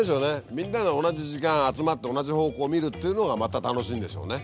みんなが同じ時間集まって同じ方向を見るっていうのがまた楽しいんでしょうね。